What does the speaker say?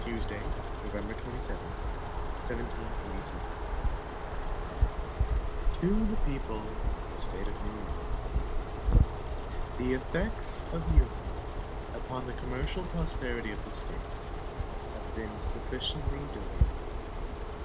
Tuesday, November 27, 1787. HAMILTON To the People of the State of New York: THE effects of Union upon the commercial prosperity of the States have been sufficiently delineated.